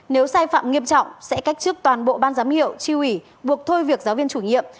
nếu sai phạm nghiêm trọng sẽ cách chức toàn bộ ban giám hiệu tri ủy buộc thôi việc giáo viên chủ nhiệm